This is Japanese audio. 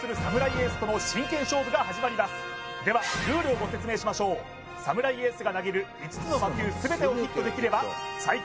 エースとの真剣勝負が始まりますではルールをご説明しましょうサムライエースが投げる５つの魔球全てをヒットできれば最強